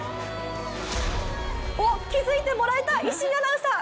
おっ、気づいてもらえた石井アナウンサー。